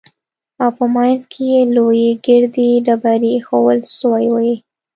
او په منځ کښې يې لويې ګردې ډبرې ايښوول سوې وې.